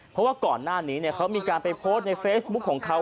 เพราะว่าก่อนหน้านี้เขามีการไปโพสต์ในเฟซบุ๊คของเขา